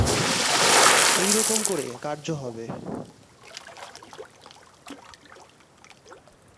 এই রকম করে কার্য হবে।